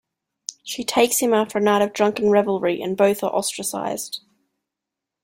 She takes him after a night of drunken revelry, and both are ostracized.